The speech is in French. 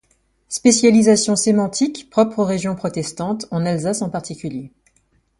Spécialisation sémantique propre aux régions protestantes, en Alsace en particulier.